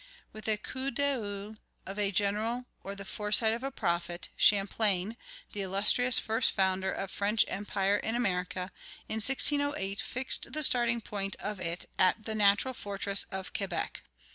With the coup d'oeil of a general or the foresight of a prophet, Champlain, the illustrious first founder of French empire in America, in 1608 fixed the starting point of it at the natural fortress of Quebec.